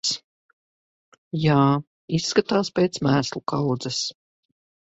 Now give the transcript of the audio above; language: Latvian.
Jā, izskatās pēc mēslu kaudzes.